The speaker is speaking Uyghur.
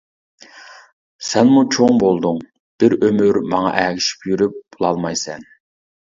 سەنمۇ چوڭ بولدۇڭ، بىر ئۆمۈر ماڭا ئەگىشىپ يۈرۈپ بولالمايسەن.